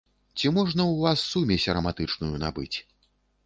Ці можна у вас сумесь араматычную набыць?